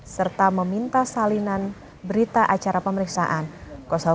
serta meminta salinan berita acara pemeriksaan